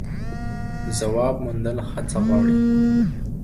ځواب موندل هڅه غواړي.